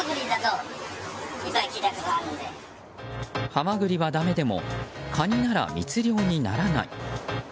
ハマグリはだめでもカニなら密漁にならない。